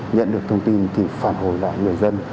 nhận được thông tin thì phản hồi lại người dân